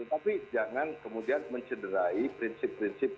tapi jangan kemudian mencederai prinsip prinsip